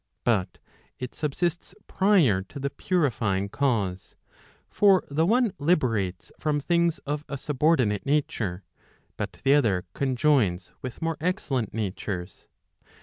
But it subsists prior to the purifying cause. For the one liberates from things of a subordinate nature, but the other conjoins with more excellent natures.